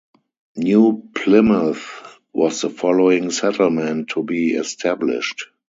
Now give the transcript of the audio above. New Plymouth was the following settlement to be established.